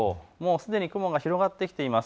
すでに雲が広がってきています。